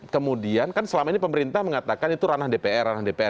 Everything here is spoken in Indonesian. kemudian kan selama ini pemerintah mengatakan itu ranah dpr ranah dpr